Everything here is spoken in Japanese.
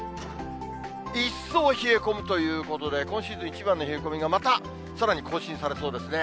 一層冷え込むということで、今シーズン一番の冷え込みがまた、さらに更新されそうですね。